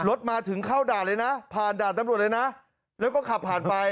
รถมาถึงเข้าด่านเลยนะผ่านด่านตำรวจเลยนะแล้วก็ขับผ่านไป